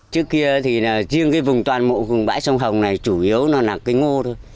trước kia thì riêng cái vùng toàn mộ vùng vãi sông hồng này chủ yếu là cái ngô thôi